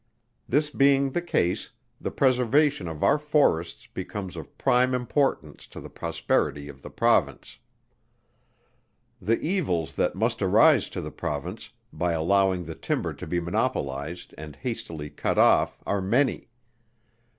This being the case, the preservation of our forests becomes of prime importance to the prosperity of the Province. The evils that must arise to the Province, by allowing the timber to be monopolized and hastily cut off are many.